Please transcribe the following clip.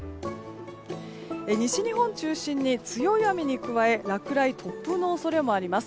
西日本を中心に強い雨に加え落雷、突風の恐れもあります。